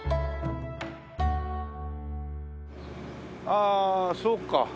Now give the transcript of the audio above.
ああそうか。